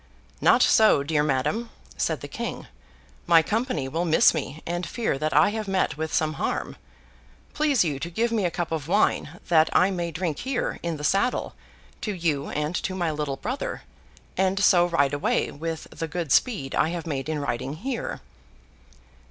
'Not so, dear madam,' said the King. 'My company will miss me, and fear that I have met with some harm. Please you to give me a cup of wine, that I may drink here, in the saddle, to you and to my little brother, and so ride away with the good speed I have made in riding here.